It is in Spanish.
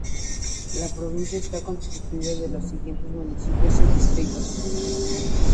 La Provincia está constituida de los siguientes Municipios y Distritos.